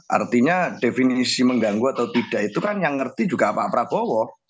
artinya definisi mengganggu atau tidak itu kan yang ngerti juga pak prabowo